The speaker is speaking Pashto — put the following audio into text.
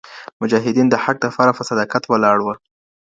مجاهدین د حق دپاره په صداقت ولاړ وه.